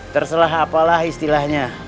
terselah apalah istilahnya